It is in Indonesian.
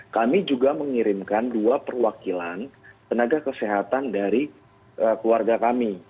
kami juga mengirimkan dua perwakilan tenaga kesehatan dari keluarga kami